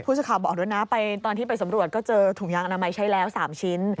สื่อข่าวบอกด้วยนะตอนที่ไปสำรวจก็เจอถุงยางอนามัยใช้แล้ว๓ชิ้น